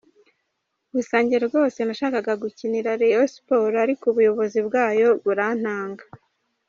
Gusa njye rwose nashakaga gukinira Rayon Sports ariko ubuyobozi bwayo burantanga.